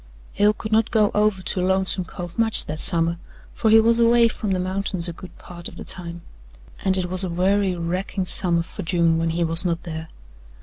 Hale could not go over to Lonesome Cove much that summer, for he was away from the mountains a good part of the time, and it was a weary, racking summer for June when he was not there.